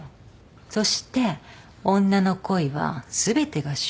そして女の恋は全てが執着。